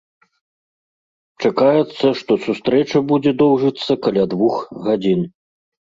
Чакаецца, што сустрэча будзе доўжыцца каля двух гадзін.